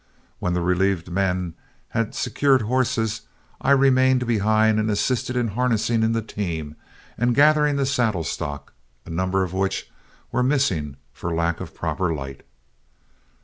When the relieved men had secured horses, I remained behind and assisted in harnessing in the team and gathering the saddle stock, a number of which were missed for lack of proper light.